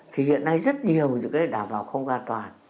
thì hiện nay rất nhiều những cái đảm bảo không an toàn